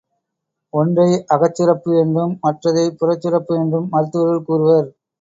ஒன்றை அகச்சுரப்பு என்றும் மற்றதைப் புறச்சுரப்பு என்றும் மருத்துவர்கள் கூறுவர்.